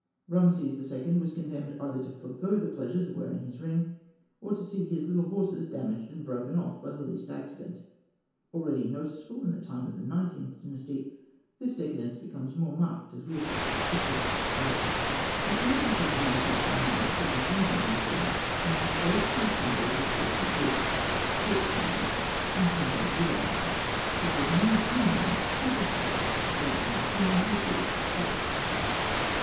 Rameses II. was condemned either to forego the pleasure of wearing his ring, or to see his little horses damaged and broken off by the least accident. Already noticeable in the time of the Nineteenth Dynasty, this decadence becomes more marked as we approach the Christian era. The earrings of Rameses IX. in the Gizeh Museum are an ungraceful assemblage of filigree disks, short chains, and pendent uraei, such as no human ear could have carried without being torn, or pulled out of shape.